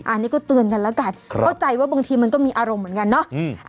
อันนี้ก็เตือนกันแล้วกันเข้าใจว่าบางทีมันก็มีอารมณ์เหมือนกันเนาะ